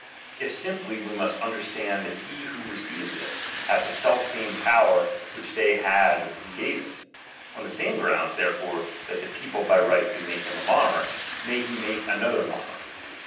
If simply, we must under stand that he who receives it, hath the self same power which they had who gave it. On the same grounds, therefore, that the people Ijy right could make him a monaach, may he make another mo narch.